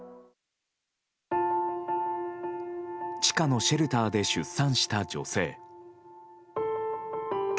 地下のシェルターで出産した女性。